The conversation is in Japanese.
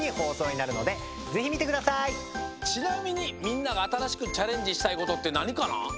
ちなみにみんながあたらしくチャレンジしたいことってなにかな？